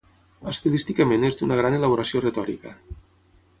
Estilísticament és d'una gran elaboració retòrica.